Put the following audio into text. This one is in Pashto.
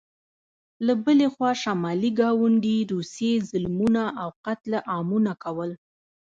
له بلې خوا شمالي ګاونډي روسیې ظلمونه او قتل عامونه کول.